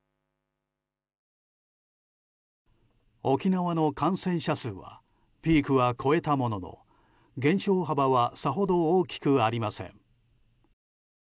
沖縄の感染者数はピークは越えたものの減少幅はさほど大きくありません。